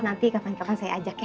nanti kapan kapan saya ajak ya